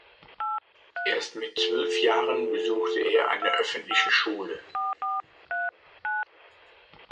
Erst mit zwölf Jahren besuchte er eine öffentliche Schule.